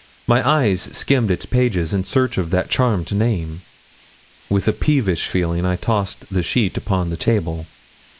My eye skimmed its pages in search of that charmed name. With a peevish feeling I tossed the sheet upon the table.